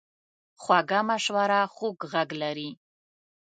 خوږه مشوره خوږ غږ لري.